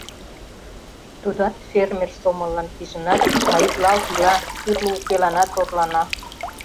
Тудат фермер сомыллан пижынат, маитлалт ила, тӱрлӧ укеланат орлана.